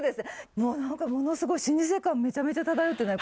もう何かものすごい老舗感めちゃめちゃ漂ってない？